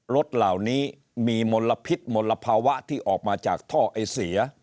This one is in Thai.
รถเหล่านี้มีมลพิษมลภาวะที่ออกมาจากท่อไอเสีย